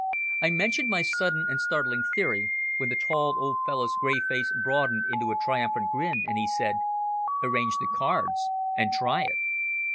I mentioned my sudden and startling theory, when the tall old fellow's grey face broadened into a triumphant grin and he said "Arrange the cards and try it."